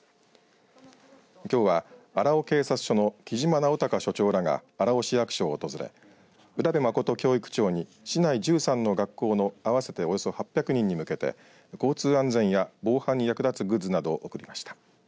きょうは荒尾警察署の木嶋直高署長らが荒尾市市役所を訪れ浦部眞教育長に市内１３の学校の合わせておよそ８００人に向けて交通安全や防犯に役立つグッズなどを贈りました。